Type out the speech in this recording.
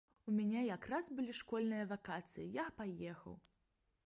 У мяне якраз былі школьныя вакацыі, я паехаў.